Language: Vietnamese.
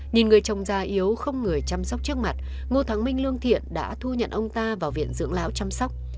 nhìn người chồng già yếu không người chăm sóc trước mặt ngô thắng minh lương thiện đã thu nhận ông ta vào viện dưỡng lão chăm sóc